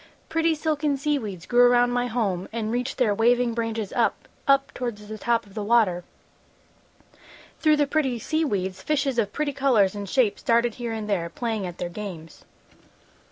Pretty silken sea weeds grew around my home and reached their waving branches up, up towards the top of the water. [Illustration: Everyone listens] "Through the pretty sea weeds, fishes of pretty colors and shapes darted here and there, playing at their games.